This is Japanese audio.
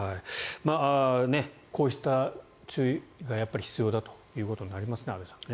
こうした注意がやっぱり必要だということになりますね安部さん。